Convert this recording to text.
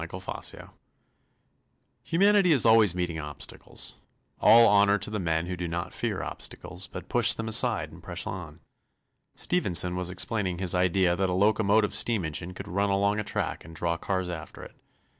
_ CLEAR THE WAY Humanity is always meeting obstacles. All honor to the men who do not fear obstacles, but push them aside and press on. Stephenson was explaining his idea that a locomotive steam engine could run along a track and draw cars after it.